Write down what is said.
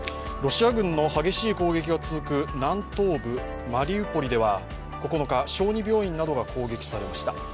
ロシア軍の激しい攻撃が続く南東部マリウポリでは小児病院などが攻撃されました。